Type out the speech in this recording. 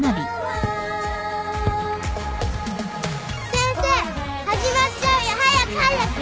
先生始まっちゃうよ早く早く！